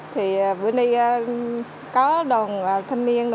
thì bữa nay có đồng thanh niên